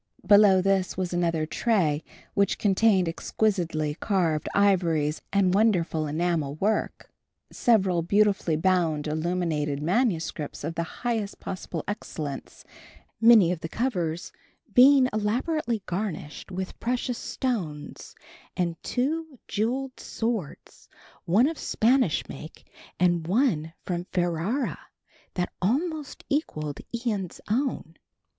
Below this was another tray, which contained exquisitely carved ivories and wonderful enamel work, several beautifully bound illuminated manuscripts of the highest possible excellence, many of the covers being elaborately garnished with precious stones, and two jewelled swords, one of Spanish make and one from Ferrara that almost equalled Ian's own.